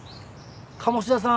鴨志田さん